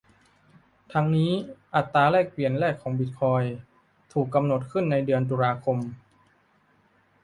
ทั้งนี้ อัตราแลกเปลี่ยนแรกของบิตคอยน์ถูกกำหนดขึ้นในเดือนตุลาคม